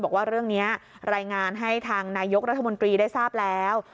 บอกว่าเรื่องนี้รายงานให้ทางนายกรัฐมนตรีได้ทราบแล้ว